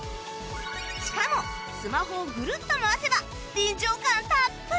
しかもスマホをグルッと回せば臨場感たっぷり！